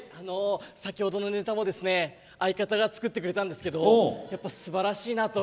先ほどのネタも相方が作ってくれたんですけどやっぱり、すばらしいなと。